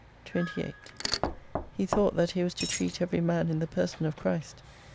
28 He thought that he was to treat every man in the person of Christ.